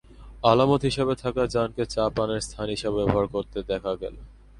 আলামত হিসেবে থাকা যানকে চা-পানের স্থান হিসেবেও ব্যবহার করতে দেখা গেল।